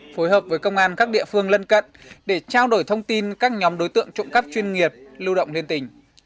phối hợp với công an các địa phương lân cận để trao đổi thông tin các nhóm đối tượng trộm cắp chuyên nghiệp lưu động liên tỉnh